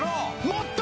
もっと！